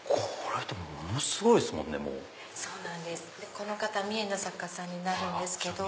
この方三重の作家さんになるんですけど。